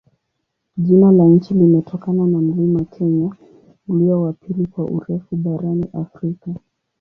Jina la nchi limetokana na mlima Kenya, ulio wa pili kwa urefu barani Afrika.